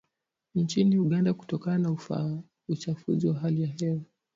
nchini Uganda kutokana na uchafuzi wa hali ya hewa